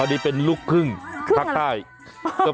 ตลอดี้เป็นลูกครึ่งครึ่งอะไร